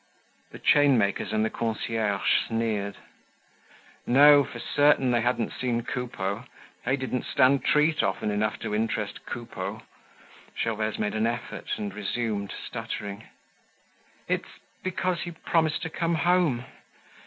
The chainmakers and the concierge sneered. No, for certain, they hadn't seen Coupeau. They didn't stand treat often enough to interest Coupeau. Gervaise made an effort and resumed, stuttering: "It's because he promised to come home.